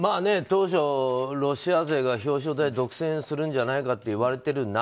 当初、ロシア勢が表彰台独占するんじゃないかといわれている